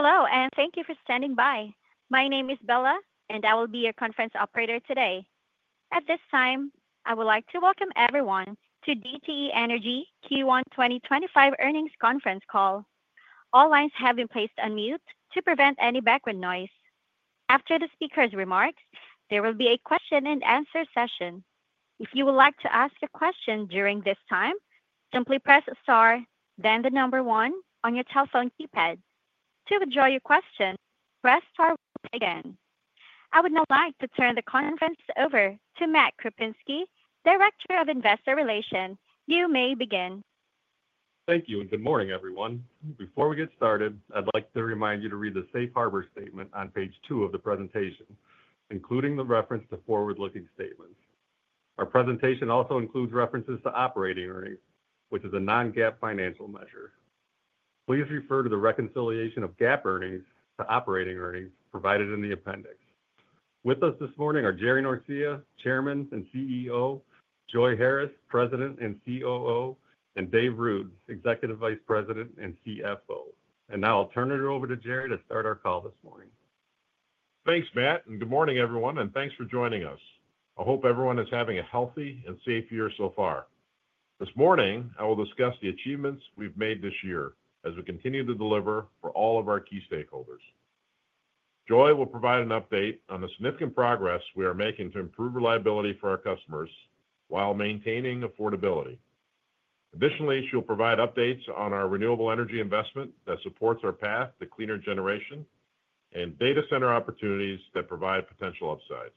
Hello, and thank you for standing by. My name is Bella, and I will be your conference operator today. At this time, I would like to welcome everyone to DTE Energy Q1 2025 earnings conference call. All lines have been placed on mute to prevent any background noise. After the speaker's remarks, there will be a question-and-answer session. If you would like to ask a question during this time, simply press star, then the number one on your telephone keypad. To withdraw your question, press star once again. I would now like to turn the conference over to Matt Krupinski, Director of Investor Relations. You may begin. Thank you, and good morning, everyone. Before we get started, I'd like to remind you to read the Safe Harbor Statement on page two of the presentation, including the reference to forward-looking statements. Our presentation also includes references to operating earnings, which is a non-GAAP financial measure. Please refer to the reconciliation of GAAP earnings to operating earnings provided in the appendix. With us this morning are Jerry Norcia, Chairman and CEO; Joi Harris, President and COO; and Dave Ruud, Executive Vice President and CFO. Now I'll turn it over to Jerry to start our call this morning. Thanks, Matt, and good morning, everyone, and thanks for joining us. I hope everyone is having a healthy and safe year so far. This morning, I will discuss the achievements we've made this year as we continue to deliver for all of our key stakeholders. Joi will provide an update on the significant progress we are making to improve reliability for our customers while maintaining affordability. Additionally, she'll provide updates on our renewable energy investment that supports our path to cleaner generation and data center opportunities that provide potential upsides.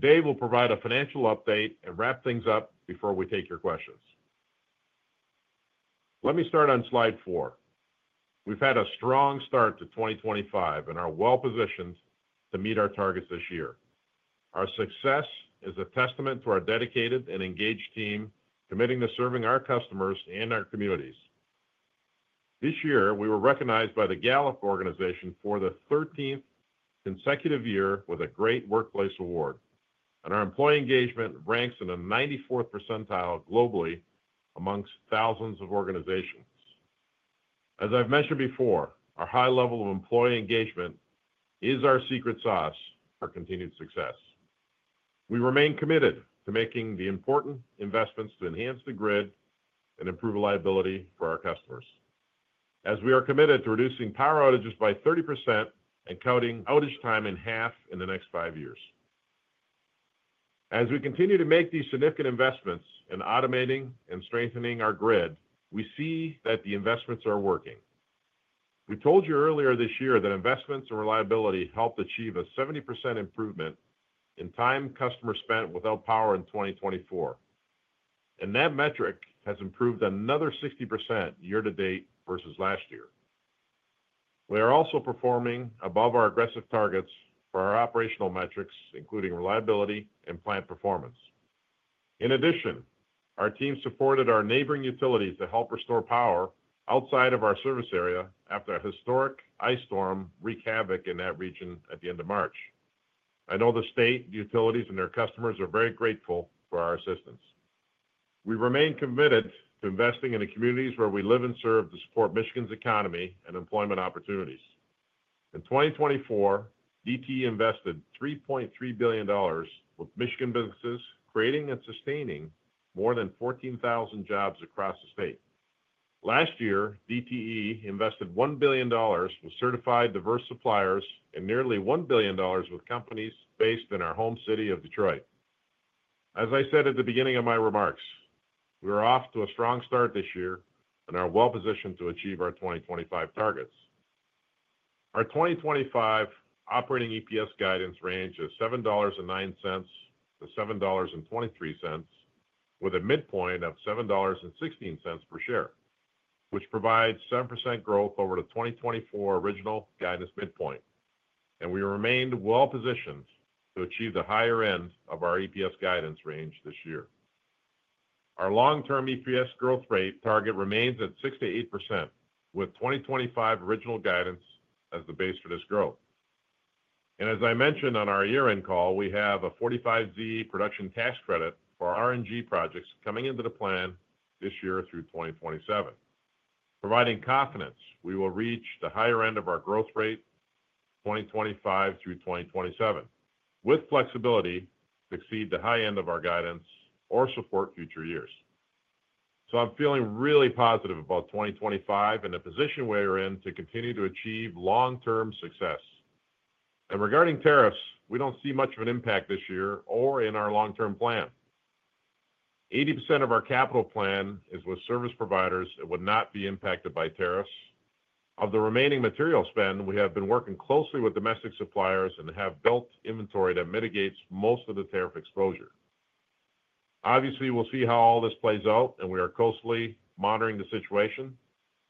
Dave will provide a financial update and wrap things up before we take your questions. Let me start on slide four. We've had a strong start to 2025 and are well-positioned to meet our targets this year. Our success is a testament to our dedicated and engaged team committing to serving our customers and our communities. This year, we were recognized by the Gallup Organization for the 13th consecutive year with a Great Workplace Award, and our employee engagement ranks in the 94th percentile globally amongst thousands of organizations. As I've mentioned before, our high level of employee engagement is our secret sauce for continued success. We remain committed to making the important investments to enhance the grid and improve reliability for our customers, as we are committed to reducing power outages by 30% and cutting outage timein half in the next five years. As we continue to make these significant investments in automating and strengthening our grid, we see that the investments are working. We told you earlier this year that investments in reliability helped achieve a 70% improvement in timecustomer spent without power in 2024, and that metric has improved another 60% year to date versus last year. We are also performing above our aggressive targets for our operational metrics, including reliability and plant performance. In addition, our team supported our neighboring utilities to help restore power outside of our service area after a historic ice storm wreaked havoc in that region at the end of March. I know the state utilities and their customers are very grateful for our assistance. We remain committed to investing in the communities where we live and serve to support Michigan's economy and employment opportunities. In 2024, DTE invested $3.3 billion with Michigan businesses, creating and sustaining more than 14,000 jobs across the state. Last year, DTE invested $1 billion with certified diverse suppliers and nearly $1 billion with companies based in our home city of Detroit. As I said at the beginning of my remarks, we are off to a strong start this year and are well-positioned to achieve our 2025 targets. Our 2025 operating EPS guidance ranged at $7.09-$7.23, with a midpoint of $7.16 per share, which provides 7% growth over the 2024 original guidance midpoint, and we remained well-positioned to achieve the higher end of our EPS guidance range this year. Our long-term EPS growth rate target remains at 6-8%, with 2025 original guidance as the base for this growth. As I mentioned on our year-end call, we have a Section 45 production tax credit for RNG projects coming into the plan this year through 2027. Providing confidence, we will reach the higher end of our growth rate 2025 through 2027 with flexibility to exceed the high end of our guidance or support future years. I'm feeling really positive about 2025 and the position we are in to continue to achieve long-term success. Regarding tariffs, we do not see much of an impact this year or in our long-term plan. 80% of our capital plan is with service providers and would not be impacted by tariffs. Of the remaining material spend, we have been working closely with domestic suppliers and have built inventory that mitigates most of the tariff exposure. Obviously, we will see how all this plays out, and we are closely monitoring the situation.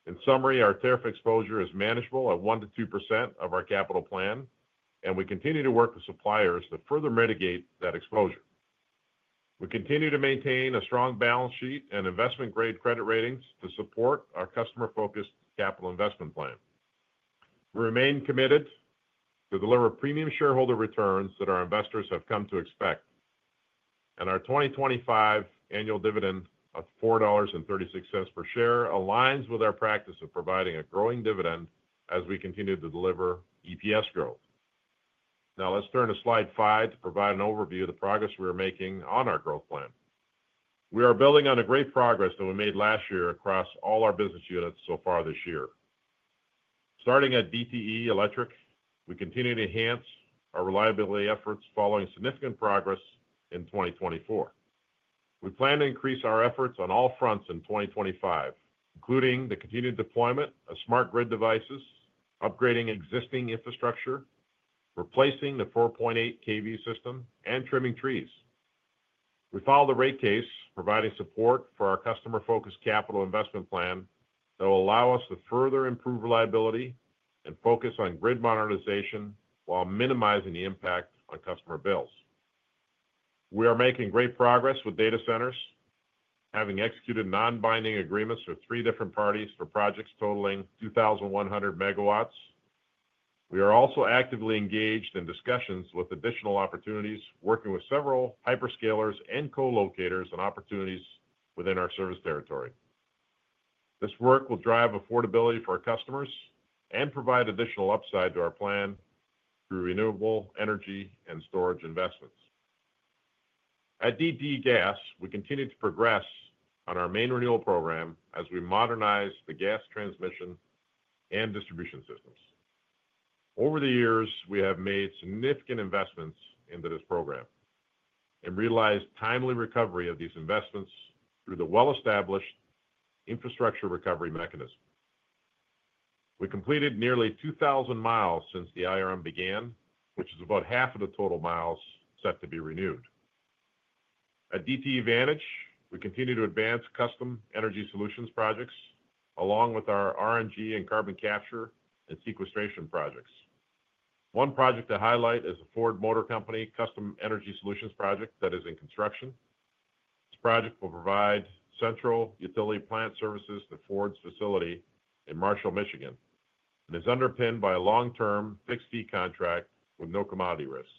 In summary, our tariff exposure is manageable at 1%-2% of our capital plan, and we continue to work with suppliers to further mitigate that exposure. We continue to maintain a strong balance sheet and investment-grade credit ratings to support our customer-focused capital investment plan. We remain committed to deliver premium shareholder returns that our investors have come to expect, and our 2025 annual dividend of $4.36 per share aligns with our practice of providing a growing dividend as we continue to deliver EPS growth. Now, let's turn to slide five to provide an overview of the progress we are making on our growth plan. We are building on the great progress that we made last year across all our business units so far this year. Starting at DTE Electric, we continue to enhance our reliability efforts following significant progress in 2024. We plan to increase our efforts on all fronts in 2025, including the continued deployment of smart grid devices, upgrading existing infrastructure, replacing the 4.8 kV system, and trimming trees. We follow the rate case, providing support for our customer-focused capital investment plan that will allow us to further improve reliability and focus on grid modernization while minimizing the impact on customer bills. We are making great progress with data centers, having executed non-binding agreements with three different parties for projects totaling 2,100 MW. We are also actively engaged in discussions with additional opportunities, working with several hyperscalers and co-locators on opportunities within our service territory. This work will drive affordability for our customers and provide additional upside to our plan through renewable energy and storage investments. At DTE Gas, we continue to progress on our main renewal program as we modernize the gas transmission and distribution systems. Over the years, we have made significant investments into this program and realized timely recovery of these investments through the well-established Infrastructure Recovery Mechanism. We completed nearly 2,000 miles since the IRM began, which is about half of the total miles set to be renewed. At DTE Vantage, we continue to advance Custom Energy Solutions projects along with our RNG and carbon capture and sequestration projects. One project to highlight is the Ford Motor Company Custom Energy Solutions project that is in construction. This project will provide central utility plant services to Ford's facility in Marshall, Michigan, and is underpinned by a long-term fixed fee contract with no commodity risk.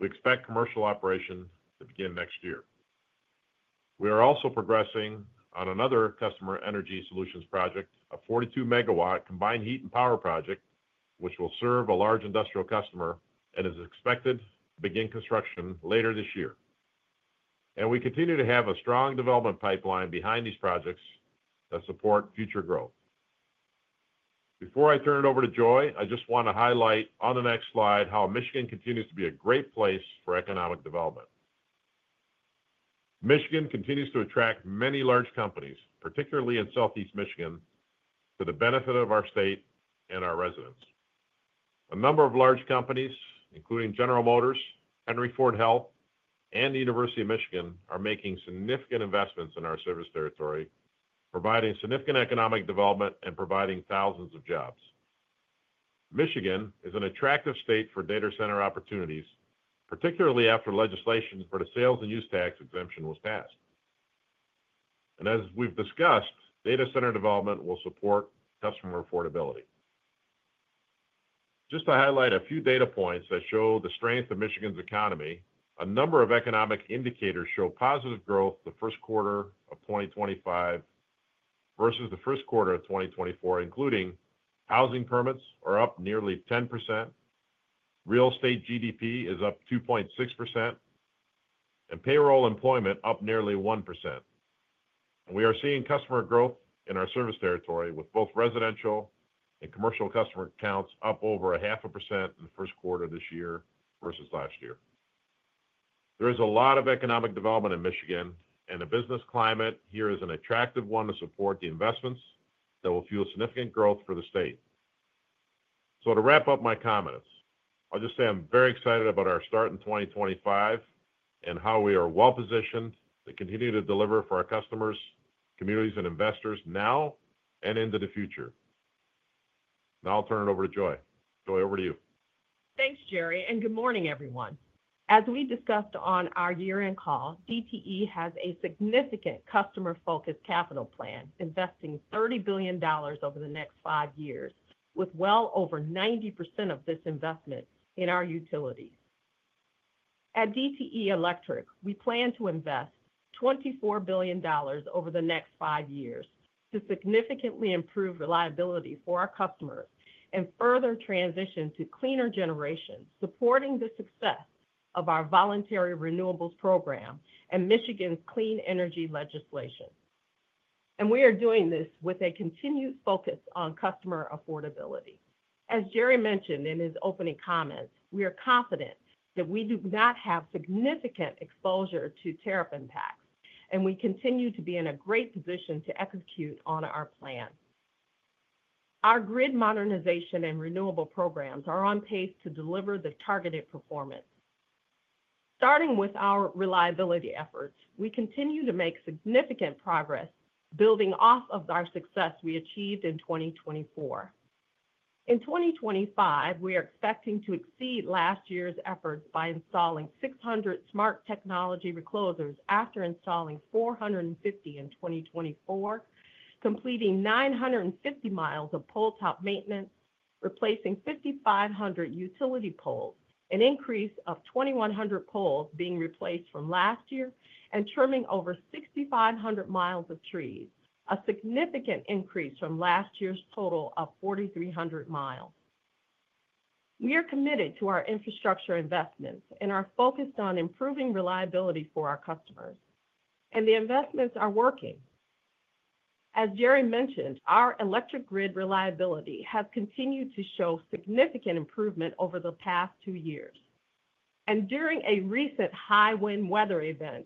We expect commercial operation to begin next year. We are also progressing on another customer energy solutions project, a 42-megawatt combined heat and power project, which will serve a large industrial customer and is expected to begin construction later this year. We continue to have a strong development pipeline behind these projects that support future growth. Before I turn it over to Joi, I just want to highlight on the next slide how Michigan continues to be a great place for economic development. Michigan continues to attract many large companies, particularly in Southeast Michigan, to the benefit of our state and our residents. A number of large companies, including General Motors, Henry Ford Health, and the University of Michigan, are making significant investments in our service territory, providing significant economic development and providing thousands of jobs. Michigan is an attractive state for data center opportunities, particularly after legislation for the sales and use tax exemption was passed. As we've discussed, data center development will support customer affordability. Just to highlight a few data points that show the strength of Michigan's economy, a number of economic indicators show positive growth the first quarter of 2025 versus the first quarter of 2024, including housing permits are up nearly 10%, real estate GDP is up 2.6%, and payroll employment up nearly 1%. We are seeing customer growth in our service territory, with both residential and commercial customer counts up over 0.5% in the first quarter of this year versus last year. There is a lot of economic development in Michigan, and the business climate here is an attractive one to support the investments that will fuel significant growth for the state. To wrap up my comments, I'll just say I'm very excited about our start in 2025 and how we are well-positioned to continue to deliver for our customers, communities, and investors now and into the future. Now I'll turn it over to Joi. Joi, over to you. Thanks, Jerry, and good morning, everyone. As we discussed on our year-end call, DTE has a significant customer-focused capital plan investing $30 billion over the next five years, with well over 90% of this investment in our utilities. At DTE Electric, we plan to invest $24 billion over the next five years to significantly improve reliability for our customers and further transition to cleaner generation, supporting the success of our voluntary renewables program and Michigan's clean energy legislation. We are doing this with a continued focus on customer affordability. As Jerry mentioned in his opening comments, we are confident that we do not have significant exposure to tariff impacts, and we continue to be in a great position to execute on our plan. Our grid modernization and renewable programs are on pace to deliver the targeted performance. Starting with our reliability efforts, we continue to make significant progress building off of our success we achieved in 2024. In 2025, we are expecting to exceed last year's efforts by installing 600 smart technology reclosers after installing 450 in 2024, completing 950 mi of pole top maintenance, replacing 5,500 utility poles, an increase of 2,100 poles being replaced from last year, and trimming over 6,500 mi of trees, a significant increase from last year's total of 4,300 mi. We are committed to our infrastructure investments and are focused on improving reliability for our customers, and the investments are working. As Jerry mentioned, our electric grid reliability has continued to show significant improvement over the past two years. During a recent high wind weather event,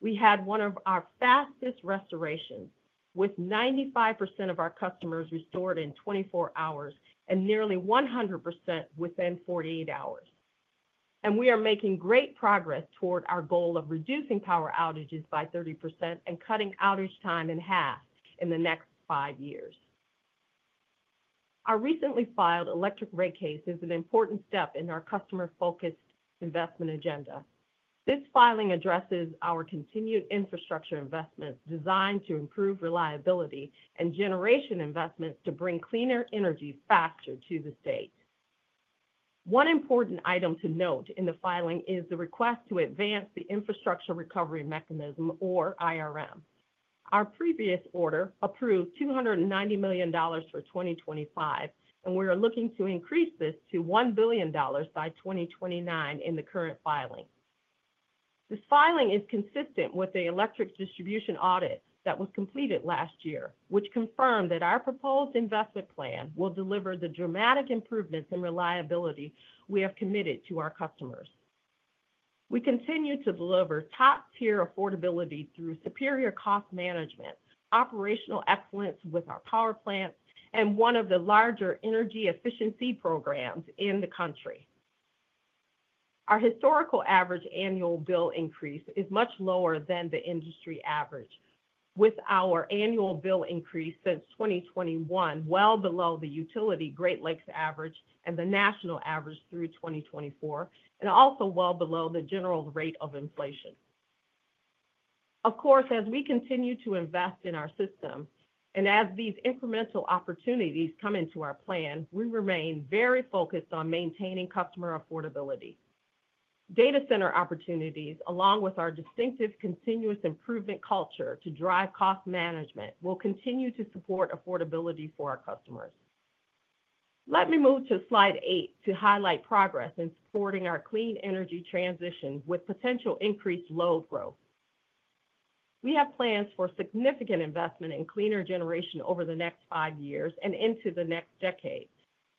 we had one of our fastest restorations, with 95% of our customers restored in 24 hours and nearly 100% within 48 hours. We are making great progress toward our goal of reducing power outages by 30% and cutting outage timein half in the next five years. Our recently filed electric rate case is an important step in our customer-focused investment agenda. This filing addresses our continued infrastructure investments designed to improve reliability and generation investments to bring cleaner energy faster to the state. One important item to note in the filing is the request to Infrastructure Recovery Mechanism, or IRM. Our previous order approved $290 million for 2025, and we are looking to increase this to $1 billion by 2029 in the current filing. This filing is consistent with the electric distribution audit that was completed last year, which confIRMed that our proposed investment plan will deliver the dramatic improvements in reliability we have committed to our customers. We continue to deliver top-tier affordability through superior cost management, operational excellence with our power plants, and one of the larger energy efficiency programs in the country. Our historical average annual bill increase is much lower than the industry average, with our annual bill increase since 2021 well below the utility Great Lakes average and the national average through 2024, and also well below the general rate of inflation. Of course, as we continue to invest in our system and as these incremental opportunities come into our plan, we remain very focused on maintaining customer affordability. Data center opportunities, along with our distinctive continuous improvement culture to drive cost management, will continue to support affordability for our customers. Let me move to slide eight to highlight progress in supporting our clean energy transition with potential increased load growth. We have plans for significant investment in cleaner generation over the next five years and into the next decade,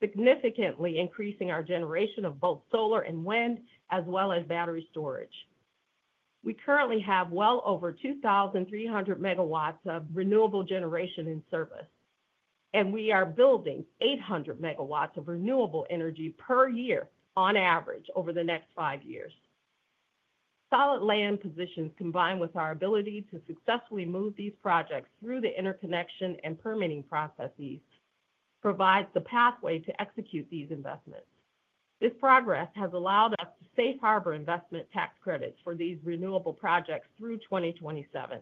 significantly increasing our generation of both solar and wind, as well as battery storage. We currently have well over 2,300 MW of renewable generation in service, and we are building 800 MW of renewable energy per year on average over the next five years. Solid land positions, combined with our ability to successfully move these projects through the interconnection and permitting processes, provide the pathway to execute these investments. This progress has allowed us to safe harbor investment tax credits for these renewable projects through 2027.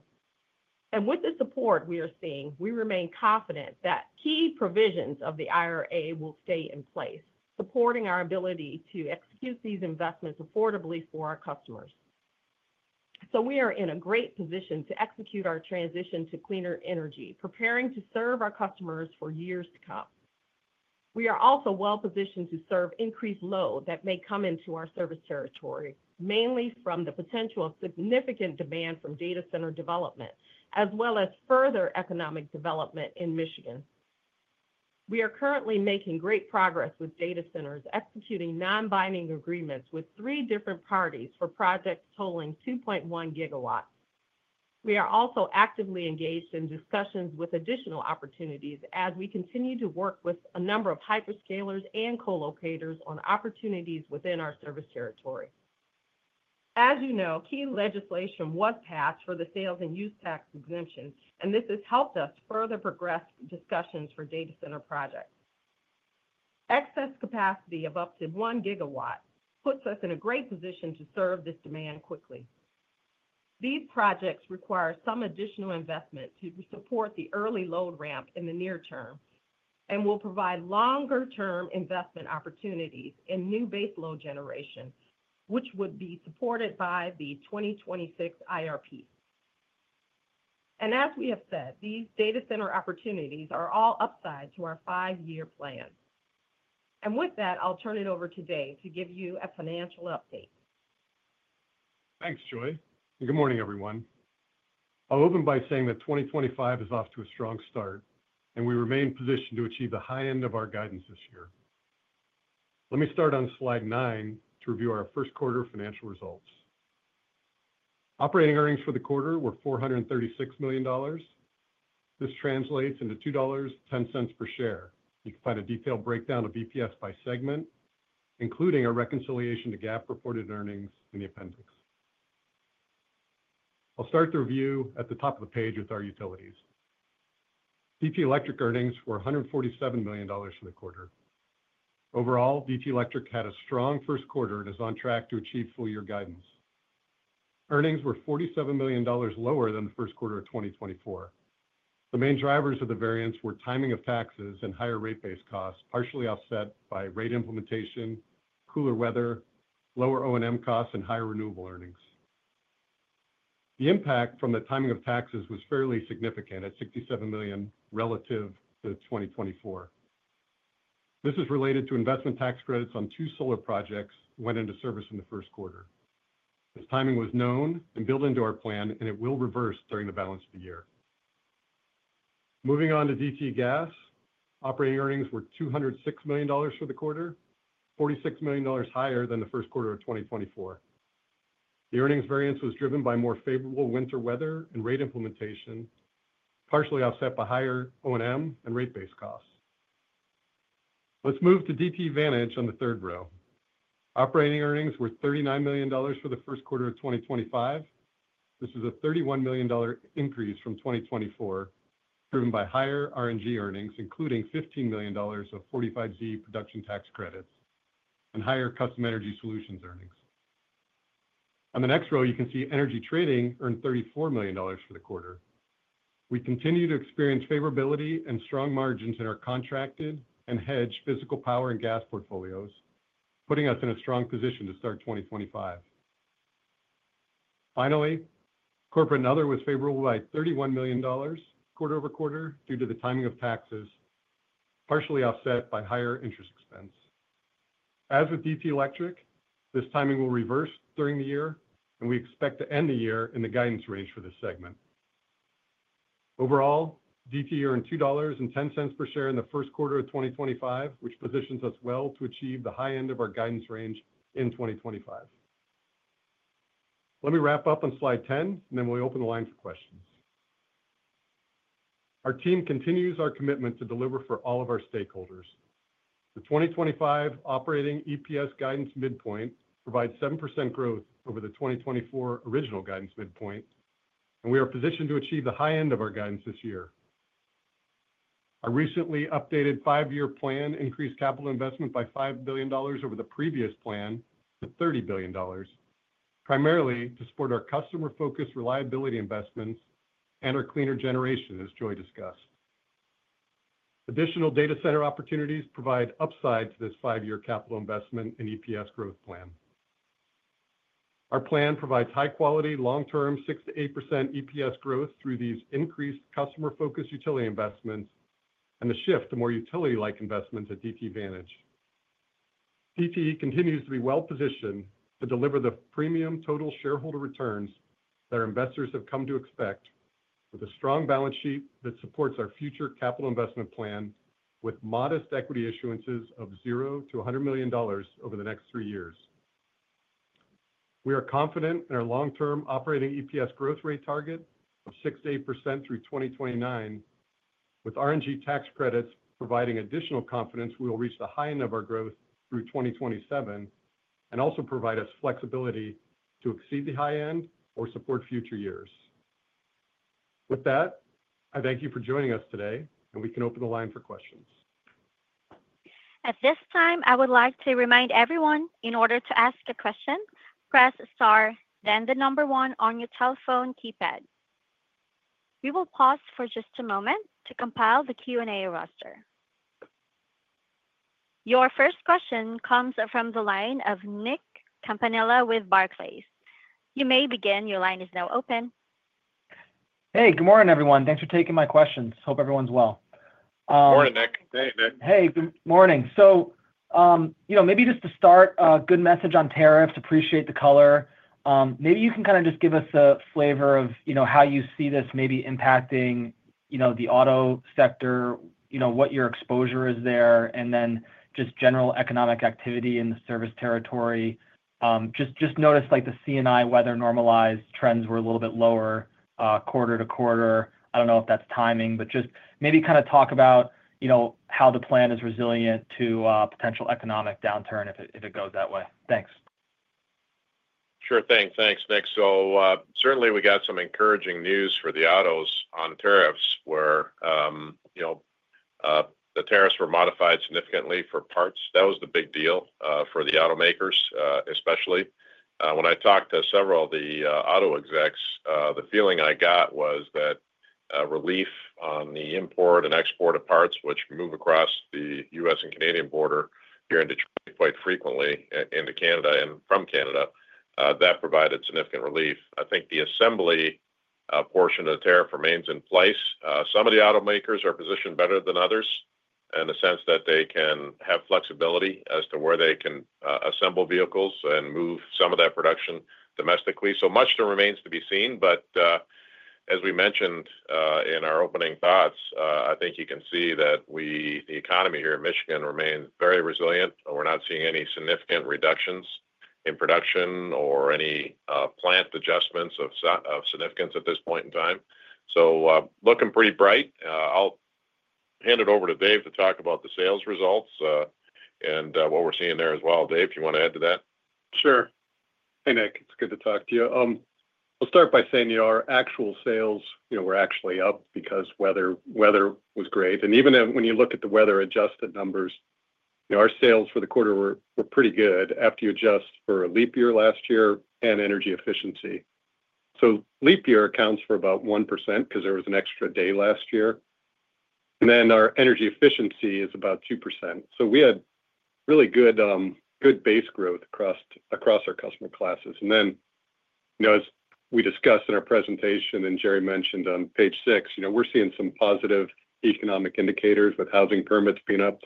With the support we are seeing, we remain confident that key provisions of the IRA will stay in place, supporting our ability to execute these investments affordably for our customers. We are in a great position to execute our transition to cleaner energy, preparing to serve our customers for years to come. We are also well-positioned to serve increased load that may come into our service territory, mainly from the potential of significant demand from data center development, as well as further economic development in Michigan. We are currently making great progress with data centers executing non-binding agreements with three different parties for projects totaling 2.1 GW. We are also actively engaged in discussions with additional opportunities as we continue to work with a number of hyperscalers and co-locators on opportunities within our service territory. As you know, key legislation was passed for the sales and use tax exemption, and this has helped us further progress discussions for data center projects. Excess capacity of up to 1 gigawatt puts us in a great position to serve this demand quickly. These projects require some additional investment to support the early load ramp in the near term and will provide longer-term investment opportunities in new base load generation, which would be supported by the 2026 IRP. As we have said, these data center opportunities are all upside to our five-year plan. With that, I'll turn it over today to give you a financial update. Thanks, Joi. Good morning, everyone. I'll open by saying that 2025 is off to a strong start, and we remain positioned to achieve the high end of our guidance this year. Let me start on slide nine to review our first quarter financial results. Operating earnings for the quarter were $436 million. This translates into $2.10 per share. You can find a detailed breakdown of EPS by segment, including a reconciliation to GAAP reported earnings in the appendix. I'll start the review at the top of the page with our utilities. DTE Electric earnings were $147 million for the quarter. Overall, DTE Electric had a strong first quarter and is on track to achieve full-year guidance. Earnings were $47 million lower than the first quarter of 2024. The main drivers of the variance were timing of taxes and higher rate-based costs, partially offset by rate implementation, cooler weather, lower O&M costs, and higher renewable earnings. The impact from the timing of taxes was fairly significant at $67 million relative to 2024. This is related to investment tax credits on two solar projects that went into service in the first quarter. This timing was known and built into our plan, and it will reverse during the balance of the year. Moving on to DTE Gas, operating earnings were $206 million for the quarter, $46 million higher than the first quarter of 2024. The earnings variance was driven by more favorable winter weather and rate implementation, partially offset by higher O&M and rate-based costs. Let's move to DTE Vantage on the third row. Operating earnings were $39 million for the first quarter of 2025. This is a $31 million increase from 2024, driven by higher RNG earnings, including $15 million of Section 45 production tax credits and higher Custom Energy Solutions earnings. On the next row, you can see Energy Trading earned $34 million for the quarter. We continue to experience favorability and strong margins in our contracted and hedged physical power and gas portfolios, putting us in a strong position to start 2025. Finally, Corporate net other was favorable by $31 million quarter over quarter due to the timing of taxes, partially offset by higher interest expense. As with DTE Electric, this timing will reverse during the year, and we expect to end the year in the guidance range for this segment. Overall, DTE earned $2.10 per share in the first quarter of 2025, which positions us well to achieve the high end of our guidance range in 2025. Let me wrap up on slide 10, and then we'll open the line for questions. Our team continues our commitment to deliver for all of our stakeholders. The 2025 operating EPS guidance midpoint provides 7% growth over the 2024 original guidance midpoint, and we are positioned to achieve the high end of our guidance this year. Our recently updated five-year plan increased capital investment by $5 billion over the previous plan to $30 billion, primarily to support our customer-focused reliability investments and our cleaner generation, as Joi discussed. Additional data center opportunities provide upside to this five-year capital investment and EPS growth plan. Our plan provides high-quality, long-term 6%-8% EPS growth through these increased customer-focused utility investments and the shift to more utility-like investments at DTE Vantage. DTE continues to be well-positioned to deliver the premium total shareholder returns that our investors have come to expect, with a strong balance sheet that supports our future capital investment plan with modest equity issuances of $0-$100 million over the next three years. We are confident in our long-term operating EPS growth rate target of 6%-8% through 2029. With RNG tax credits providing additional confidence, we will reach the high end of our growth through 2027 and also provide us flexibility to exceed the high end or support future years. With that, I thank you for joining us today, and we can open the line for questions. At this time, I would like to remind everyone, in order to ask a question, press star, then the number one on your telephone keypad. We will pause for just a moment to compile the Q&A roster. Your first question comes from the line of Nick Campanella with Barclays. You may begin. Your line is now open. Hey, good morning, everyone. Thanks for taking my questions. Hope everyone's well. Morning, Nick. Thank you, Nick. Hey, good morning. Maybe just to start, a good message on tariffs. Appreciate the color. Maybe you can kind of just give us a flavor of how you see this maybe impacting the auto sector, what your exposure is there, and then just general economic activity in the service territory. Just noticed the C&I weather normalize trends were a little bit lower quarter to quarter. I do not know if that's timing, but just maybe kind of talk about how the plan is resilient to potential economic downturn if it goes that way. Thanks. Sure. Thanks. Thanks, Nick. Certainly, we got some encouraging news for the autos on tariffs where the tariffs were modified significantly for parts. That was the big deal for the automakers, especially. When I talked to several of the auto execs, the feeling I got was that relief on the import and export of parts, which move across the U.S. and Canadian border here in Detroit quite frequently into Canada and from Canada, that provided significant relief. I think the assembly portion of the tariff remains in place. Some of the automakers are positioned better than others in the sense that they can have flexibility as to where they can assemble vehicles and move some of that production domestically. Much still remains to be seen. As we mentioned in our opening thoughts, I think you can see that the economy here in Michigan remains very resilient. We're not seeing any significant reductions in production or any plant adjustments of significance at this point in time. Looking pretty bright. I'll hand it over to Dave to talk about the sales results and what we're seeing there as well. Dave, do you want to add to that? Sure. Hey, Nick. It's good to talk to you. I'll start by saying our actual sales were actually up because weather was great. Even when you look at the weather-adjusted numbers, our sales for the quarter were pretty good after you adjust for a leap year last year and energy efficiency. Leap year accounts for about 1% because there was an extra day last year. Our energy efficiency is about 2%. We had really good base growth across our customer classes. As we discussed in our presentation and Jerry mentioned on page six, we're seeing some positive economic indicators with housing permits being up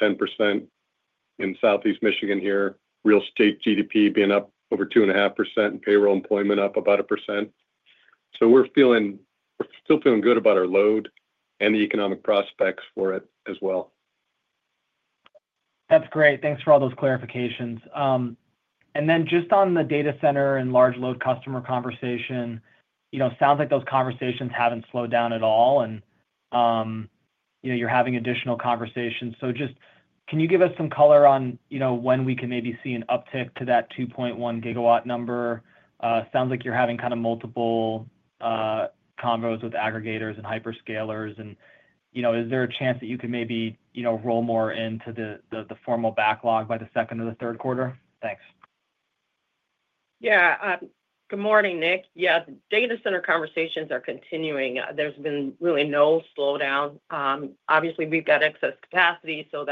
10% in Southeast Michigan here, real estate GDP being up over 2.5%, and payroll employment up about a percent. We're still feeling good about our load and the economic prospects for it as well. That's great. Thanks for all those clarifications. Just on the data center and large load customer conversation, it sounds like those conversations haven't slowed down at all, and you're having additional conversations. Just can you give us some color on when we can maybe see an uptick to that 2.1 gigawatt number? It sounds like you're having kind of multiple convos with aggregators and hyperscalers. Is there a chance that you can maybe roll more into the formal backlog by the second or the third quarter? Thanks. Yeah. Good morning, Nick. Yeah, data center conversations are continuing. There's been really no slowdown. Obviously, we've got excess capacity, so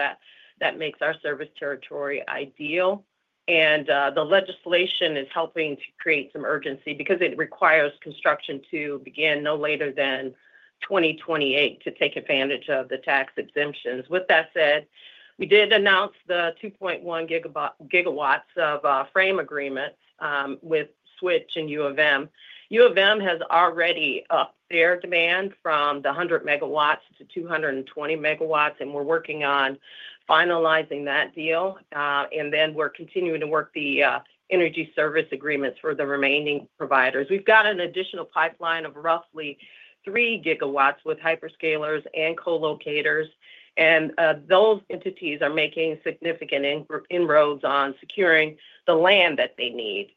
that makes our service territory ideal. The legislation is helping to create some urgency because it requires construction to begin no later than 2028 to take advantage of the tax exemptions. With that said, we did announce the 2.1 GW of frame agreement with Switch and U of M. U of M has already upped their demand from the 100 MW-220 MW, and we're working on finalizing that deal. We're continuing to work the energy service agreements for the remaining providers. We've got an additional pipeline of roughly 3 GW with hyperscalers and co-locators. Those entities are making significant inroads on securing the land that they need.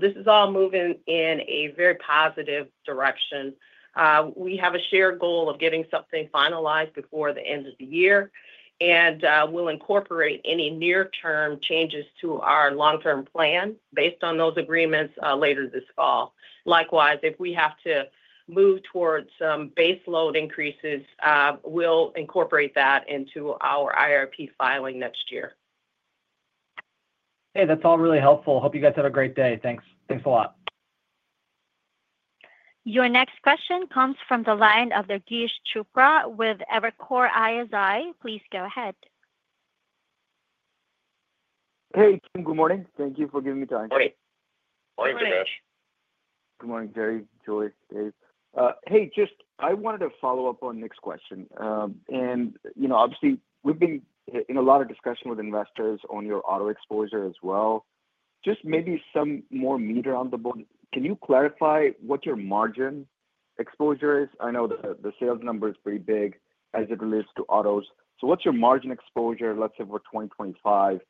This is all moving in a very positive direction. We have a shared goal of getting something finalized before the end of the year, and we'll incorporate any near-term changes to our long-term plan based on those agreements later this fall. Likewise, if we have to move towards some base load increases, we'll incorporate that into our IRP filing next year. Hey, that's all really helpful. Hope you guys have a great day. Thanks. Thanks a lot. Your next question comes from the line of Durgesh Chopra with Evercore ISI. Please go ahead. Hey, Team. Good morning. Thank you for giving me time. Morning. Morning, Durgesh. Good morning, Jerry, Joi, Dave. Hey, just I wanted to follow up on Nick's question. Obviously, we've been in a lot of discussion with investors on your auto exposure as well. Just maybe some more meter on the board. Can you clarify what your margin exposure is? I know the sales number is pretty big as it relates to autos. What's your margin exposure, let's say, for 2025?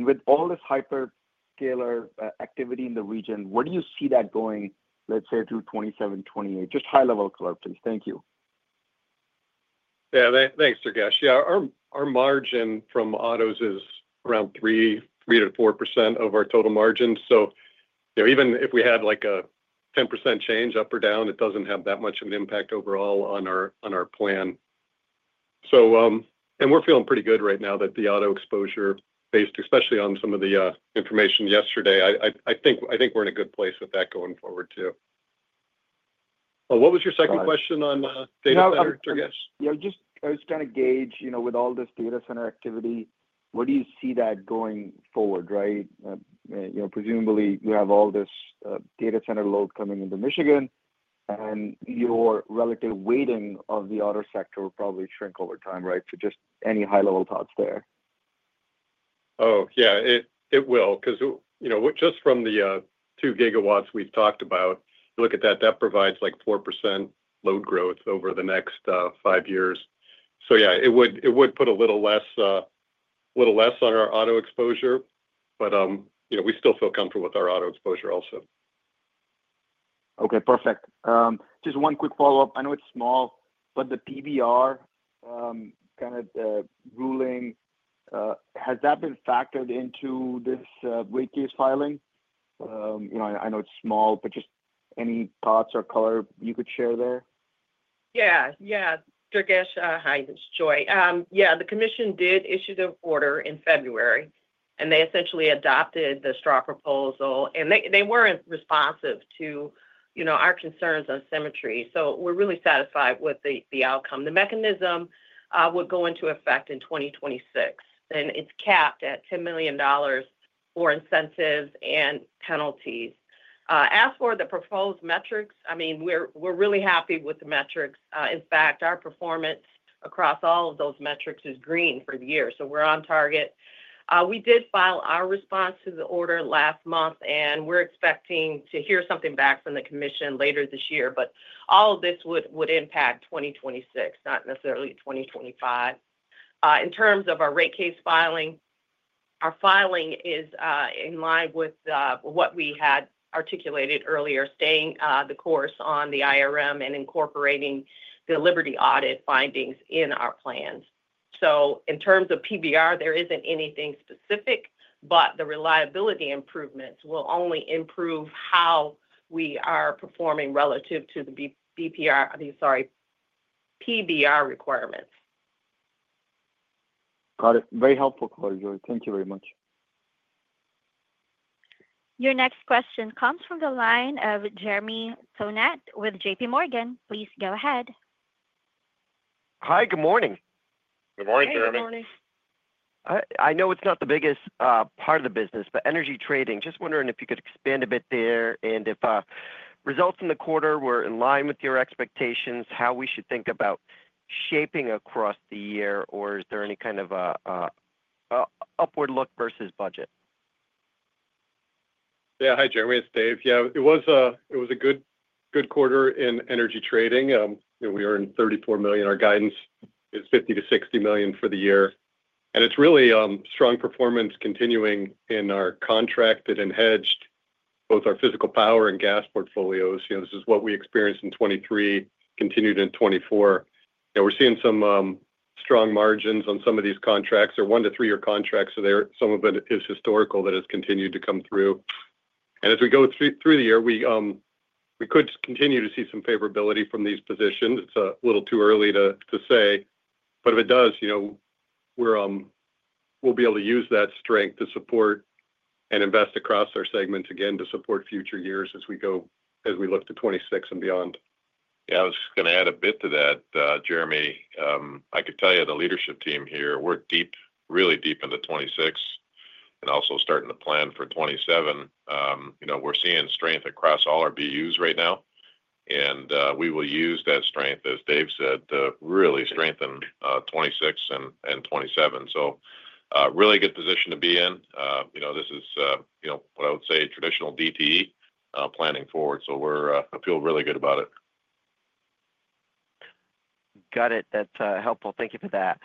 With all this hyperscaler activity in the region, where do you see that going, let's say, through 2027, 2028? Just high-level clarity, please. Thank you. Yeah. Thanks, Durgesh. Yeah, our margin from autos is around 3-4% of our total margin. So even if we had a 10% change up or down, it does not have that much of an impact overall on our plan. We are feeling pretty good right now that the auto exposure based, especially on some of the information yesterday. I think we are in a good place with that going forward too. What was your second question on data center, Durgesh? Yeah. Just I was trying to gauge with all this data center activity, where do you see that going forward, right? Presumably, you have all this data center load coming into Michigan, and your relative weighting of the auto sector will probably shrink over time, right? Just any high-level thoughts there? Oh, yeah, it will. Because just from the 2 GW we've talked about, you look at that, that provides like 4% load growth over the next five years. Yeah, it would put a little less on our auto exposure, but we still feel comfortable with our auto exposure also. Okay. Perfect. Just one quick follow-up. I know it's small, but the PBR kind of ruling, has that been factored into this rate case filing? I know it's small, but just any thoughts or color you could share there? Yeah. Yeah. Durgesh, Hi, it's, Joi. Yeah, the commission did issue the order in February, and they essentially adopted the straw proposal. They were not responsive to our concerns on symmetry. We are really satisfied with the outcome. The mechanism would go into effect in 2026. It is capped at $10 million for incentives and penalties. As for the proposed metrics, I mean, we are really happy with the metrics. In fact, our performance across all of those metrics is green for the year. We are on target. We did file our response to the order last month, and we are expecting to hear something back from the commission later this year. All of this would impact 2026, not necessarily 2025. In terms of our rate case filing, our filing is in line with what we had articulated earlier, staying the course on the IRM and incorporating the Liberty audit findings in our plans. In terms of PBR, there isn't anything specific, but the reliability improvements will only improve how we are performing relative to the PBR requirements. Got it. Very helpful, Joi. Thank you very much. Your next question comes from the line of Jeremy Tonet with JPMorgan. Please go ahead. Hi. Good morning. Good morning, Jeremy. Good morning. I know it's not the biggest part of the business, but energy trading, just wondering if you could expand a bit there and if results in the quarter were in line with your expectations, how we should think about shaping across the year, or is there any kind of upward look versus budget? Yeah. Hi, Jeremy. It's Dave. Yeah, it was a good quarter in energy trading. We earned $34 million. Our guidance is $50 million-$60 million for the year. It is really strong performance continuing in our contracted and hedged, both our physical power and gas portfolios. This is what we experienced in 2023, continued in 2024. We are seeing some strong margins on some of these contracts. They are one- to three-year contracts, so some of it is historical that has continued to come through. As we go through the year, we could continue to see some favorability from these positions. It is a little too early to say. If it does, we will be able to use that strength to support and invest across our segments again to support future years as we look to 2026 and beyond. Yeah. I was just going to add a bit to that, Jeremy. I could tell you the leadership team here, we're deep, really deep into 2026 and also starting to plan for 2027. We're seeing strength across all our BUs right now. We will use that strength, as Dave said, to really strengthen 2026 and 2027. Really good position to be in. This is what I would say traditional DTE planning forward. I feel really good about it. Got it. That's helpful. Thank you for that.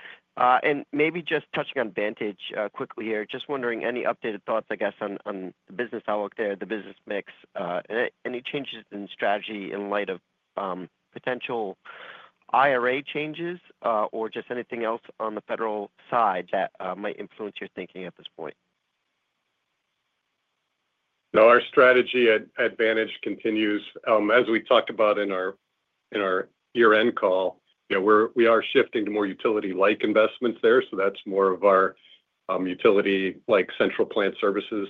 Maybe just touching on Vantage quickly here, just wondering any updated thoughts, I guess, on the business outlook there, the business mix, any changes in strategy in light of potential IRA changes, or just anything else on the federal side that might influence your thinking at this point? No, our strategy at Vantage continues. As we talked about in our year-end call, we are shifting to more utility-like investments there. That is more of our utility-like central plant services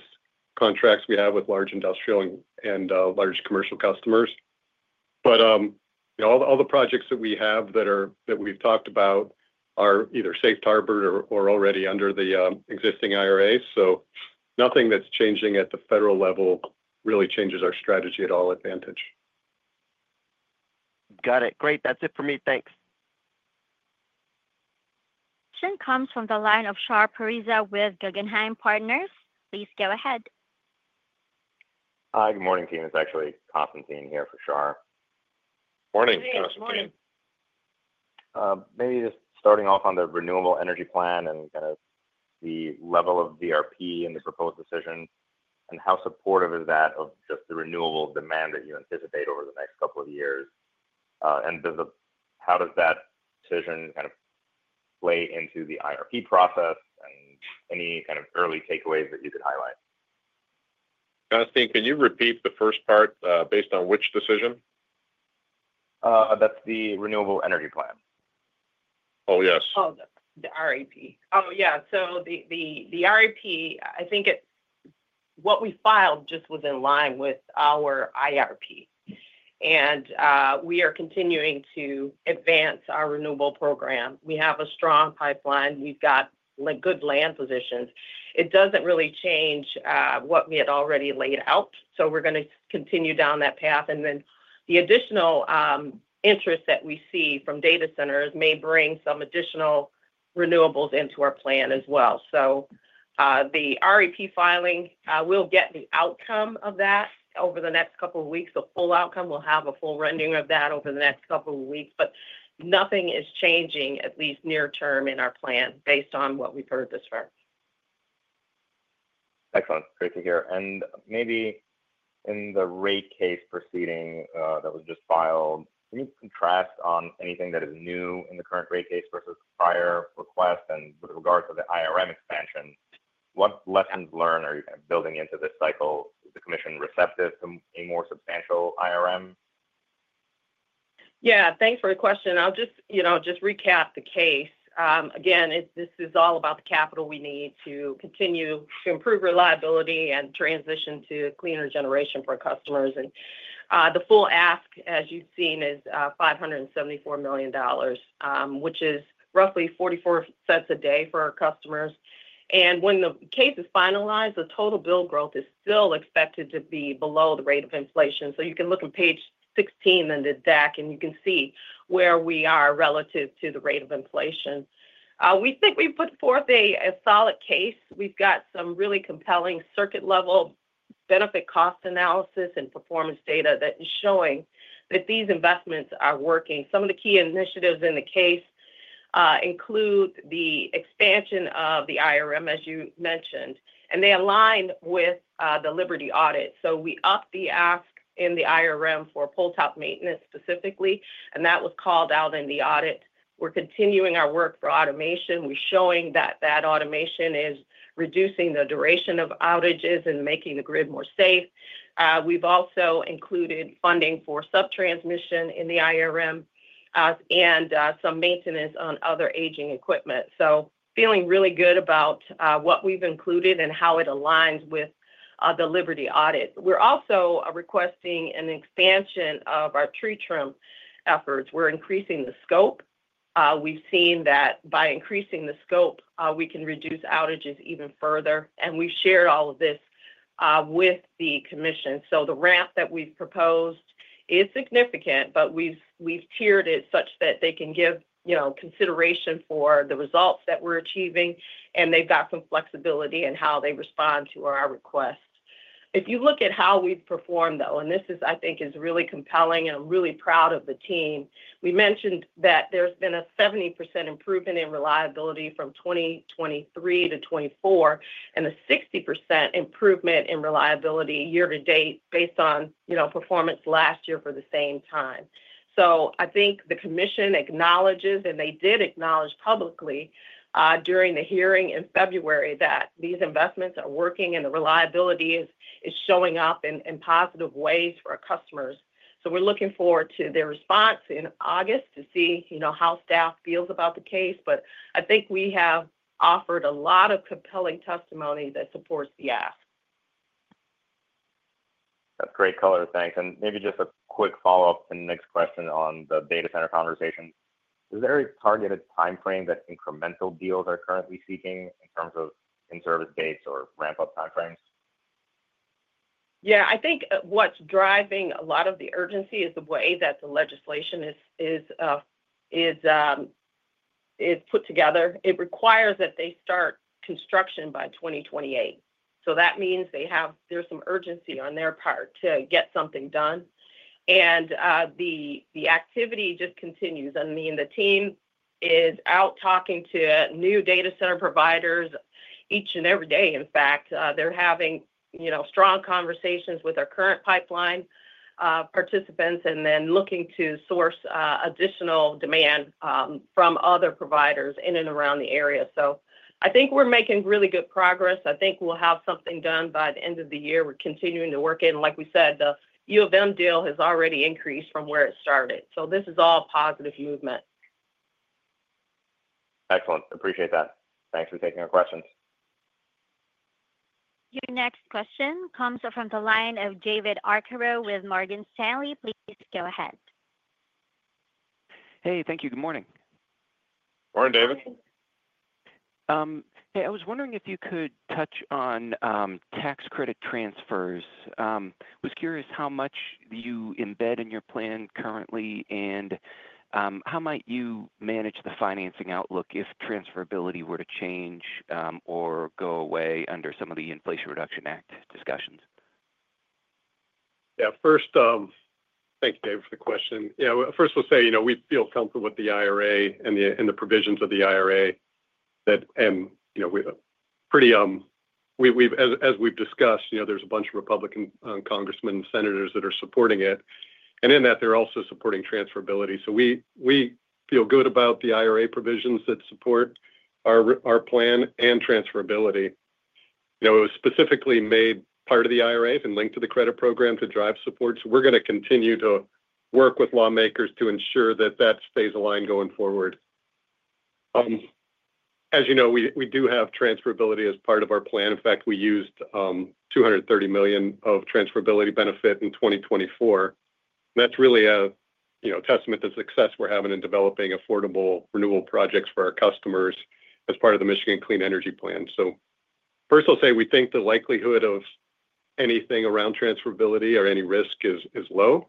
contracts we have with large industrial and large commercial customers. All the projects that we have that we have talked about are either safe harbored or already under the existing IRA. Nothing that is changing at the federal level really changes our strategy at all at Vantage. Got it. Great. That's it for me. Thanks. Next question comes from the line of Shar Pourreza with Guggenheim Partners. Please go ahead. Hi. Good morning, team. It's actually Constantine here for Shar. Morning. Hey, Constantine. Maybe just starting off on the renewable energy plan and kind of the level of VRP and the proposed decision, how supportive is that of just the renewable demand that you anticipate over the next couple of years? How does that decision kind of play into the IRP process and any kind of early takeaways that you could highlight? Constantine, can you repeat the first part based on which decision? That's the renewable energy plan. Oh, yes. Oh, the REP. Oh, yeah. The REP, I think what we filed just was in line with our IRP. We are continuing to advance our renewable program. We have a strong pipeline. We've got good land positions. It doesn't really change what we had already laid out. We're going to continue down that path. The additional interest that we see from data centers may bring some additional renewables into our plan as well. The REP filing, we'll get the outcome of that over the next couple of weeks. The full outcome, we'll have a full rundown of that over the next couple of weeks. Nothing is changing, at least near-term, in our plan based on what we've heard thus far. Excellent. Great to hear. Maybe in the rate case proceeding that was just filed, can you contrast on anything that is new in the current rate case versus prior requests and with regards to the IRM expansion? What lessons learned are you building into this cycle? Is the commission receptive to a more substantial IRM? Yeah. Thanks for the question. I'll just recap the case. Again, this is all about the capital we need to continue to improve reliability and transition to cleaner generation for our customers. The full ask, as you've seen, is $574 million, which is roughly $0.44 a day for our customers. When the case is finalized, the total bill growth is still expected to be below the rate of inflation. You can look on page 16 in the deck, and you can see where we are relative to the rate of inflation. We think we've put forth a solid case. We've got some really compelling circuit-level benefit-cost analysis and performance data that is showing that these investments are working. Some of the key initiatives in the case include the expansion of the IRM, as you mentioned. They align with the Liberty audit. We upped the ask in the IRM for pole-top maintenance specifically. That was called out in the audit. We're continuing our work for automation. We're showing that that automation is reducing the duration of outages and making the grid more safe. We've also included funding for sub-transmission in the IRM and some maintenance on other aging equipment. Feeling really good about what we've included and how it aligns with the Liberty audit. We're also requesting an expansion of our tree trim efforts. We're increasing the scope. We've seen that by increasing the scope, we can reduce outages even further. We've shared all of this with the commission. The ramp that we've proposed is significant, but we've tiered it such that they can give consideration for the results that we're achieving. They've got some flexibility in how they respond to our request. If you look at how we've performed, though, and this is, I think, is really compelling, and I'm really proud of the team, we mentioned that there's been a 70% improvement in reliability from 2023-2024 and a 60% improvement in reliability year-to-date based on performance last year for the same time. I think the commission acknowledges, and they did acknowledge publicly during the hearing in February that these investments are working and the reliability is showing up in positive ways for our customers. We're looking forward to their response in August to see how staff feels about the case. I think we have offered a lot of compelling testimony that supports the ask. That's great color. Thanks. Maybe just a quick follow-up to the next question on the data center conversation. Is there a targeted timeframe that incremental deals are currently seeking in terms of in-service dates or ramp-up timeframes? Yeah. I think what's driving a lot of the urgency is the way that the legislation is put together. It requires that they start construction by 2028. That means there's some urgency on their part to get something done. The activity just continues. I mean, the team is out talking to new data center providers each and every day. In fact, they're having strong conversations with our current pipeline participants and then looking to source additional demand from other providers in and around the area. I think we're making really good progress. I think we'll have something done by the end of the year. We're continuing to work it. Like we said, the U of M deal has already increased from where it started. This is all positive movement. Excellent. Appreciate that. Thanks for taking our questions. Your next question comes from the line of David Arcaro with Morgan Stanley. Please go ahead. Hey. Thank you. Good morning. Morning, David. Hey. I was wondering if you could touch on tax credit transfers. I was curious how much you embed in your plan currently and how might you manage the financing outlook if transferability were to change or go away under some of the Inflation Reduction Act discussions? Yeah. First, thank you, David, for the question. Yeah. First, I'll say we feel comfortable with the IRA and the provisions of the IRA. As we've discussed, there's a bunch of Republican congressmen and senators that are supporting it. In that, they're also supporting transferability. We feel good about the IRA provisions that support our plan and transferability. It was specifically made part of the IRA and linked to the credit program to drive support. We're going to continue to work with lawmakers to ensure that that stays aligned going forward. As you know, we do have transferability as part of our plan. In fact, we used $230 million of transferability benefit in 2024. That's really a testament to success we're having in developing affordable renewal projects for our customers as part of the Michigan Clean Energy Plan. First, I'll say we think the likelihood of anything around transferability or any risk is low.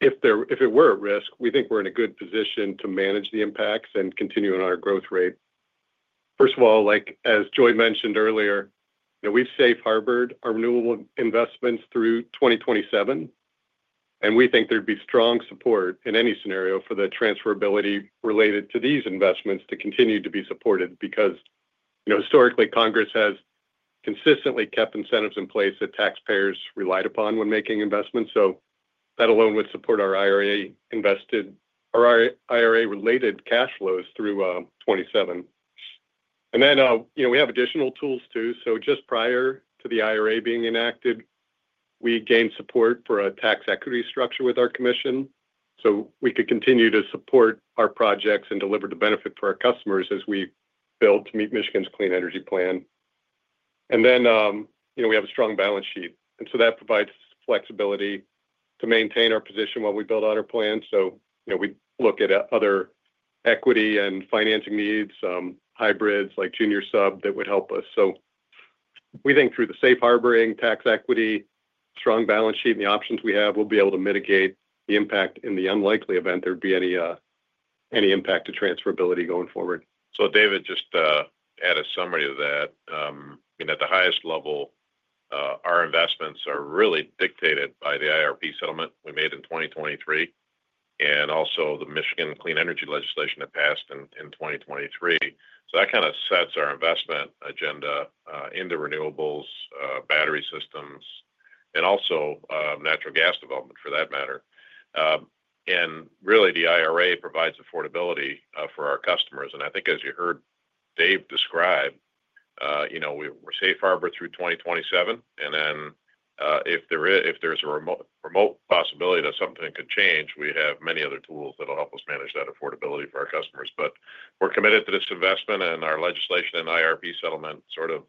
If it were a risk, we think we're in a good position to manage the impacts and continue on our growth rate. First of all, as Joi mentioned earlier, we've safe harbored our renewable investments through 2027. We think there'd be strong support in any scenario for the transferability related to these investments to continue to be supported because historically, Congress has consistently kept incentives in place that taxpayers relied upon when making investments. That alone would support our IRA-related cash flows through 2027. We have additional tools too. Just prior to the IRA being enacted, we gained support for a tax equity structure with our commission so we could continue to support our projects and deliver the benefit for our customers as we build to meet Michigan's Clean Energy Plan. We have a strong balance sheet, and that provides flexibility to maintain our position while we build out our plan. We look at other equity and financing needs, hybrids like junior sub that would help us. We think through the safe harboring, tax equity, strong balance sheet, and the options we have, we'll be able to mitigate the impact in the unlikely event there would be any impact to transferability going forward. David just added a summary of that. I mean, at the highest level, our investments are really dictated by the IRP settlement we made in 2023 and also the Michigan Clean Energy legislation that passed in 2023. That kind of sets our investment agenda into renewables, battery systems, and also natural gas development for that matter. Really, the IRA provides affordability for our customers. I think as you heard Dave describe, we're safe harbor through 2027. If there's a remote possibility that something could change, we have many other tools that'll help us manage that affordability for our customers. We're committed to this investment, and our legislation and IRP settlement sort of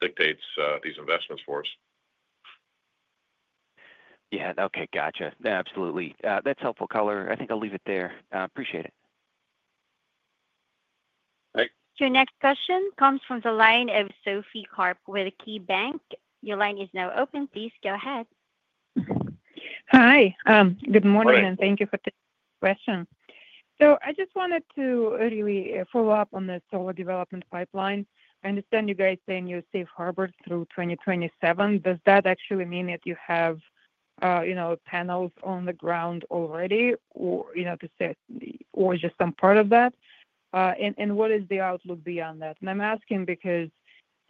dictates these investments for us. Yeah. Okay. Gotcha. Absolutely. That's helpful color. I think I'll leave it there. Appreciate it. Thanks. Your next question comes from the line of Sophie Karp with KeyBanc. Your line is now open. Please go ahead. Hi. Good morning. Thank you for the question. I just wanted to really follow up on the solar development pipeline. I understand you guys saying you're safe harbor through 2027. Does that actually mean that you have panels on the ground already or just some part of that? What is the outlook beyond that? I'm asking because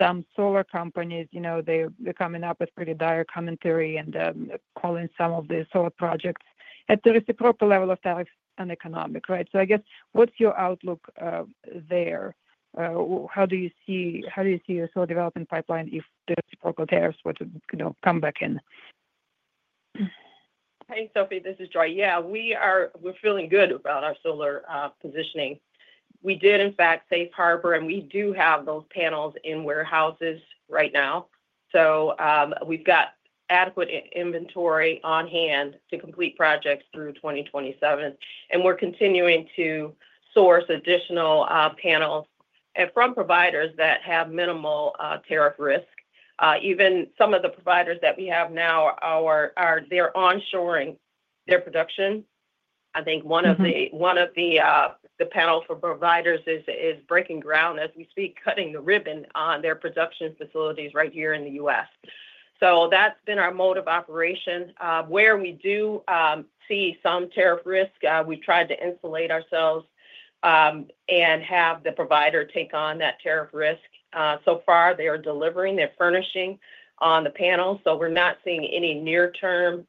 some solar companies, they're coming up with pretty dire commentary and calling some of the solar projects at the reciprocal level of tax and economic, right? I guess what's your outlook there? How do you see your solar development pipeline if the reciprocal tariffs were to come back in? Hey, Sophie. This is Joi. Yeah. We're feeling good about our solar positioning. We did, in fact, safe harbor, and we do have those panels in warehouses right now. We've got adequate inventory on hand to complete projects through 2027. We're continuing to source additional panels from providers that have minimal tariff risk. Even some of the providers that we have now, they're onshoring their production. I think one of the panel providers is breaking ground as we speak, cutting the ribbon on their production facilities right here in the U.S. That's been our mode of operation. Where we do see some tariff risk, we've tried to insulate ourselves and have the provider take on that tariff risk. So far, they are delivering. They're furnishing on the panels. We're not seeing any near-term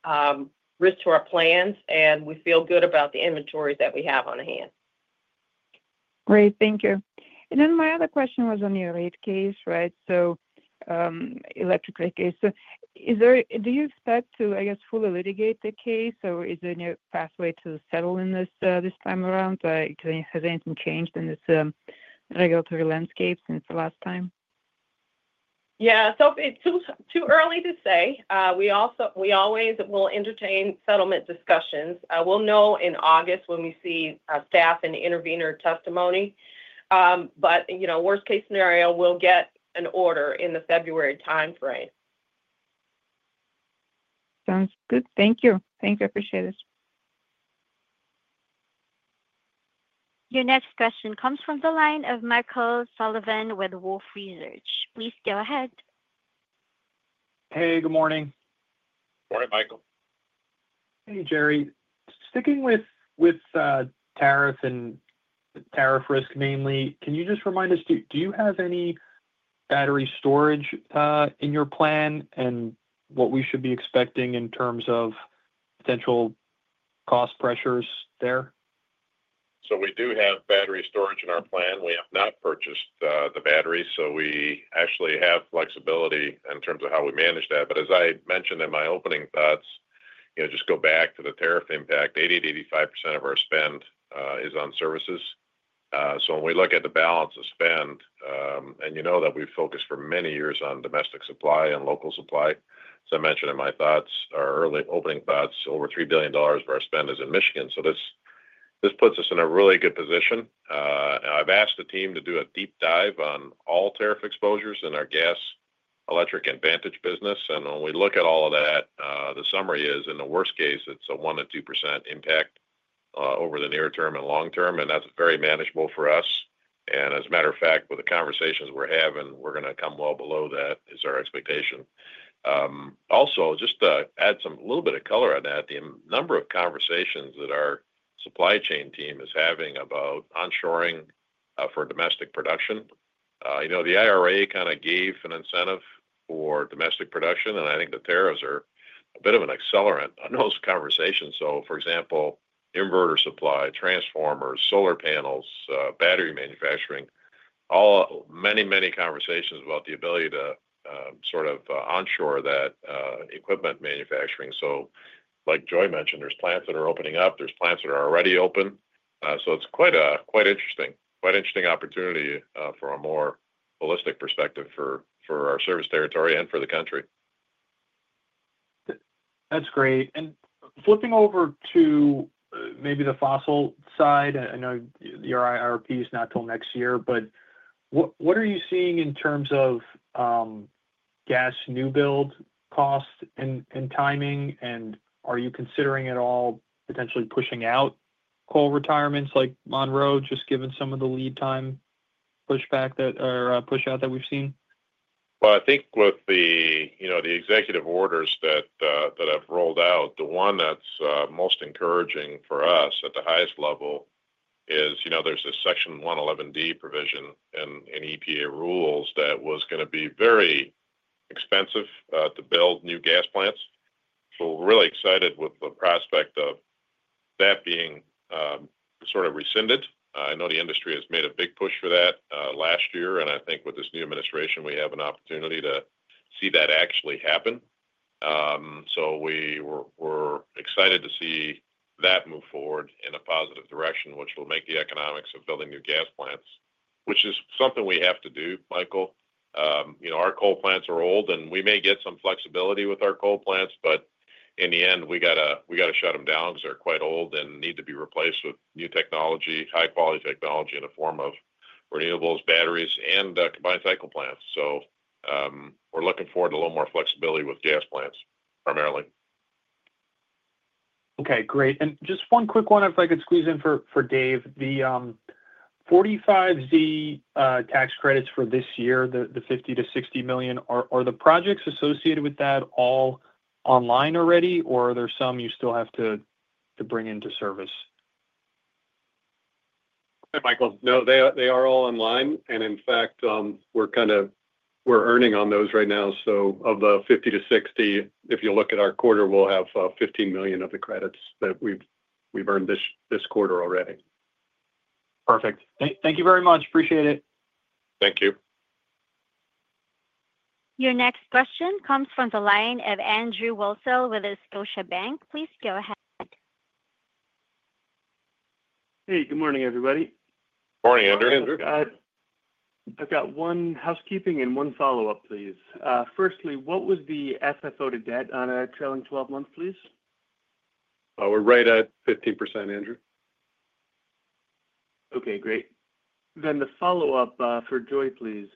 risk to our plans. We feel good about the inventories that we have on hand. Great. Thank you. My other question was on your rate case, right? Electric rate case. Do you expect to, I guess, fully litigate the case, or is there a new pathway to settle in this timearound? Has anything changed in this regulatory landscape since the last time? Yeah. Sophie, it's too early to say. We always will entertain settlement discussions. We will know in August when we see staff and intervenor testimony. Worst-case scenario, we will get an order in the February timeframe. Sounds good. Thank you. Thank you. Appreciate it. Your next question comes from the line of Michael Sullivan with Wolfe Research. Please go ahead. Hey. Good morning. Morning, Michael. Hey, Jerry. Sticking with tariff and tariff risk mainly, can you just remind us, do you have any battery storage in your plan and what we should be expecting in terms of potential cost pressures there? We do have battery storage in our plan. We have not purchased the batteries. We actually have flexibility in terms of how we manage that. As I mentioned in my opening thoughts, just go back to the tariff impact. 80%-85% of our spend is on services. When we look at the balance of spend, and you know that we've focused for many years on domestic supply and local supply. As I mentioned in my thoughts, our early opening thoughts, over $3 billion of our spend is in Michigan. This puts us in a really good position. I've asked the team to do a deep dive on all tariff exposures in our gas, electric, and Vantage business. When we look at all of that, the summary is, in the worst case, it's a 1-2% impact over the near term and long term. That's very manageable for us. As a matter of fact, with the conversations we're having, we're going to come well below that is our expectation. Also, just to add a little bit of color on that, the number of conversations that our supply chain team is having about onshoring for domestic production. The IRA kind of gave an incentive for domestic production. I think the tariffs are a bit of an accelerant on those conversations. For example, inverter supply, transformers, solar panels, battery manufacturing, many, many conversations about the ability to sort of onshore that equipment manufacturing. Like Joi mentioned, there's plants that are opening up. There's plants that are already open. It's quite an interesting opportunity for a more holistic perspective for our service territory and for the country. That's great. Flipping over to maybe the fossil side, I know your IRP is not till next year, but what are you seeing in terms of gas new build costs and timing? Are you considering at all potentially pushing out coal retirements like Monroe, just given some of the lead time pushback or push-out that we've seen? I think with the executive orders that have rolled out, the one that's most encouraging for us at the highest level is there's a Section 111D provision in EPA rules that was going to be very expensive to build new gas plants. We are really excited with the prospect of that being sort of rescinded. I know the industry has made a big push for that last year. I think with this new administration, we have an opportunity to see that actually happen. We are excited to see that move forward in a positive direction, which will make the economics of building new gas plants, which is something we have to do, Michael. Our coal plants are old, and we may get some flexibility with our coal plants, but in the end, we got to shut them down because they're quite old and need to be replaced with new technology, high-quality technology in the form of renewables, batteries, and combined cycle plants. We are looking forward to a little more flexibility with gas plants primarily. Okay. Great. Just one quick one, if I could squeeze in for Dave. The Section 45 tax credits for this year, the $50 million-$60 million, are the projects associated with that all online already, or are there some you still have to bring into service? Hey, Michael. No, they are all online. In fact, we're earning on those right now. Of the 50-60, if you look at our quarter, we'll have $15 million of the credits that we've earned this quarter already. Perfect. Thank you very much. Appreciate it. Thank you. Your next question comes from the line of Andrew Woolse with Scotia Bank. Please go ahead. Hey. Good morning, everybody. Morning, Andrew. I've got one housekeeping and one follow-up, please. Firstly, what was the FFO to debt on a trailing 12 months, please? We're right at 15%, Andrew. Okay. Great. The follow-up for Joi, please.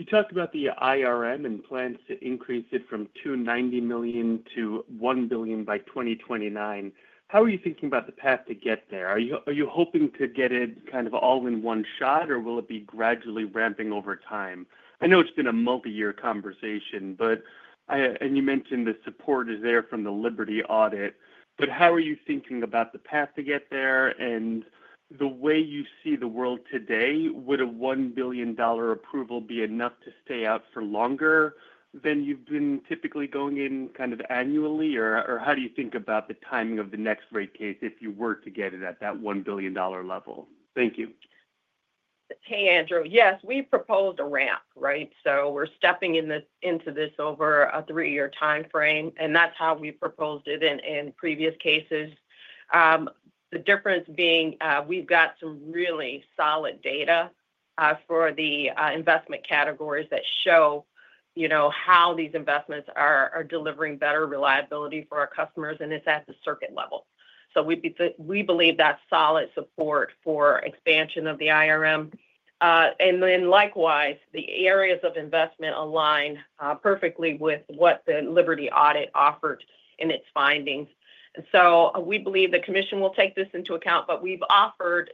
You talked about the IRM and plans to increase it from $290 million to $1 billion by 2029. How are you thinking about the path to get there? Are you hoping to get it kind of all in one shot, or will it be gradually ramping over time? I know it's been a multi-year conversation, and you mentioned the support is there from the Liberty audit. How are you thinking about the path to get there? The way you see the world today, would a $1 billion approval be enough to stay out for longer than you've been typically going in kind of annually? How do you think about the timing of the next rate case if you were to get it at that $1 billion level? Thank you. Hey, Andrew. Yes, we proposed a ramp, right? We are stepping into this over a three-year timeframe. That is how we proposed it in previous cases. The difference being, we have got some really solid data for the investment categories that show how these investments are delivering better reliability for our customers, and it is at the circuit level. We believe that is solid support for expansion of the IRM. Likewise, the areas of investment align perfectly with what the Liberty audit offered in its findings. We believe the commission will take this into account. We have offered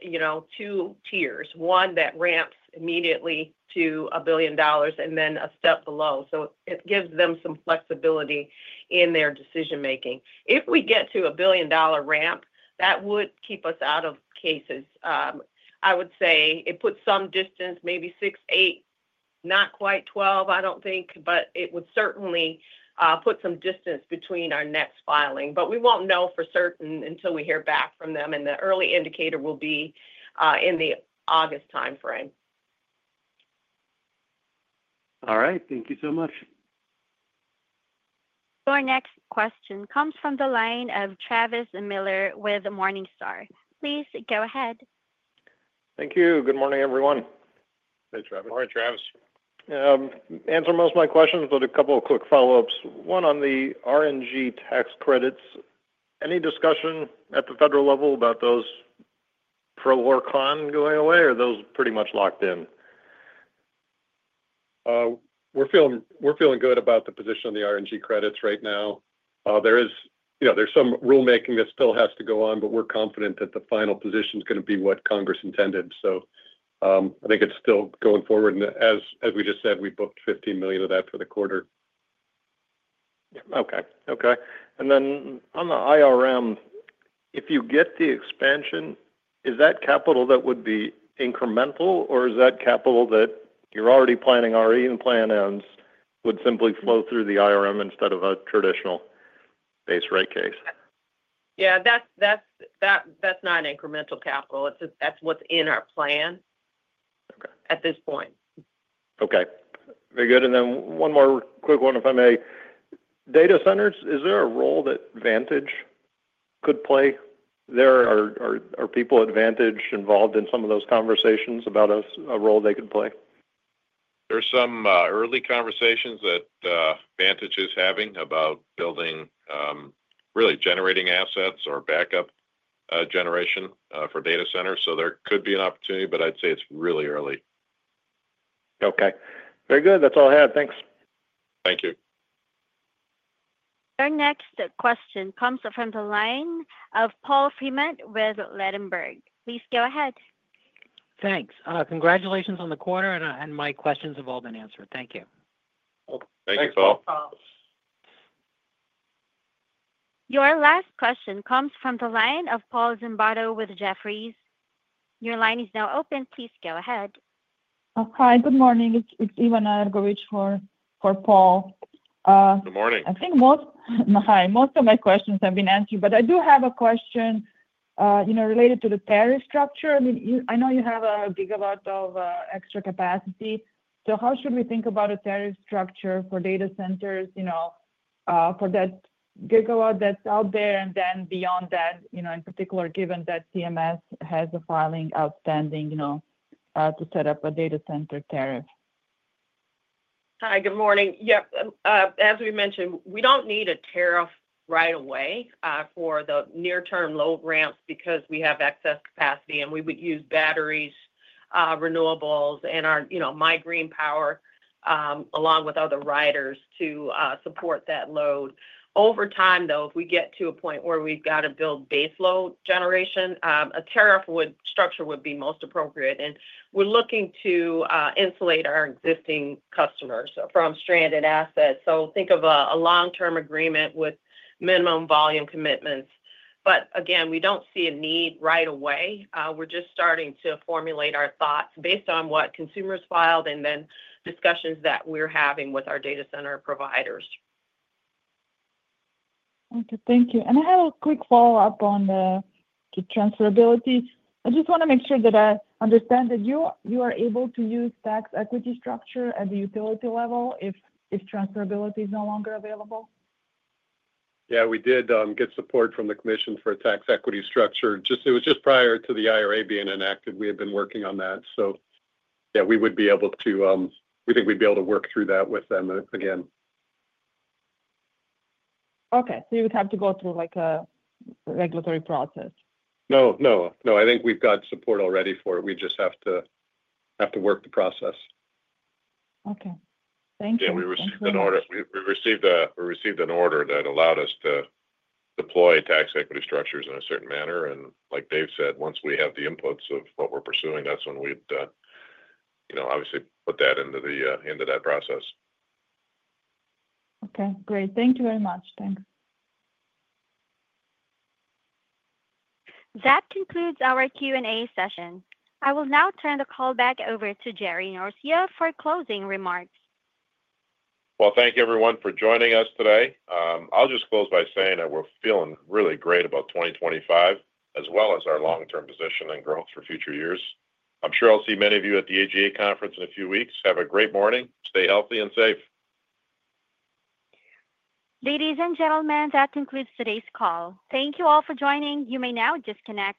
two tiers: one that ramps immediately to $1 billion and then a step below. It gives them some flexibility in their decision-making. If we get to a $1 billion ramp, that would keep us out of cases. I would say it puts some distance, maybe 6, 8, not quite 12, I don't think. It would certainly put some distance between our next filing. We won't know for certain until we hear back from them. The early indicator will be in the August timeframe. All right. Thank you so much. Your next question comes from the line of Travis Miller with Morningstar. Please go ahead. Thank you. Good morning, everyone. Hey, Travis. All right, Travis. Answer most of my questions, but a couple of quick follow-ups. One on the RNG tax credits. Any discussion at the federal level about those pro or con going away, or are those pretty much locked in? We're feeling good about the position of the RNG credits right now. There's some rulemaking that still has to go on, but we're confident that the final position is going to be what Congress intended. I think it's still going forward. As we just said, we booked $15 million of that for the quarter. Okay. Okay. On the IRM, if you get the expansion, is that capital that would be incremental, or is that capital that you're already planning RE and plan ends would simply flow through the IRM instead of a traditional base rate case? Yeah. That's not incremental capital. That's what's in our plan at this point. Okay. Very good. One more quick one, if I may. Data centers, is there a role that Vantage could play? Are people at Vantage involved in some of those conversations about a role they could play? are some early conversations that Vantage is having about building, really generating assets or backup generation for data centers. There could be an opportunity, but I'd say it's really early. Okay. Very good. That's all I had. Thanks. Thank you. Your next question comes from the line of Paul Fremont with Ladenburg. Please go ahead. Thanks. Congratulations on the quarter, and my questions have all been answered. Thank you. Thank you, Paul. Your last question comes from the line of Paul Zimbardo with Jefferies. Your line is now open. Please go ahead. Hi. Good morning. It's Ivana Ergovic for Paul. Good morning. I think most of my questions have been answered. I do have a question related to the tariff structure. I mean, I know you have a gigawatt of extra capacity. How should we think about a tariff structure for data centers for that gigawatt that is out there and then beyond that, in particular, given that Consumers Energy has a filing outstanding to set up a data center tariff? Hi. Good morning. Yep. As we mentioned, we do not need a tariff right away for the near-term load ramps because we have excess capacity. We would use batteries, renewables, and MIGreenPower along with other riders to support that load. Over time, if we get to a point where we have to build base load generation, a tariff structure would be most appropriate. We are looking to insulate our existing customers from stranded assets. Think of a long-term agreement with minimum volume commitments. Again, we do not see a need right away. We are just starting to formulate our thoughts based on what Consumers Energy filed and discussions that we are having with our data center providers. Thank you. I have a quick follow-up on the transferability. I just want to make sure that I understand that you are able to use tax equity structure at the utility level if transferability is no longer available. Yeah. We did get support from the commission for a tax equity structure. It was just prior to the IRA being enacted. We had been working on that. Yeah, we would be able to, we think we'd be able to work through that with them again. Okay. So you would have to go through a regulatory process? No. No. I think we've got support already for it. We just have to work the process. Okay. Thank you. Yeah. We received an order that allowed us to deploy tax equity structures in a certain manner. Like Dave said, once we have the inputs of what we're pursuing, that's when we'd obviously put that into that process. Okay. Great. Thank you very much. Thanks. That concludes our Q&A session. I will now turn the call back over to Jerry Norcia for closing remarks. Thank you, everyone, for joining us today. I'll just close by saying that we're feeling really great about 2025 as well as our long-term position and growth for future years. I'm sure I'll see many of you at the AGA conference in a few weeks. Have a great morning. Stay healthy and safe. Ladies and gentlemen, that concludes today's call. Thank you all for joining. You may now disconnect.